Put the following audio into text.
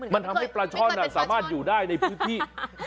มันทำให้ปลาช่อนสามารถอยู่ได้ในพื้นที่